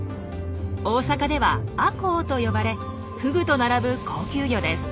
大阪では「アコウ」と呼ばれフグと並ぶ高級魚です。